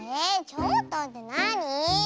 ちょっとってなに？